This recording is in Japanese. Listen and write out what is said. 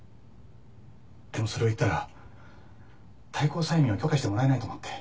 「でもそれを言ったら退行催眠を許可してもらえないと思って」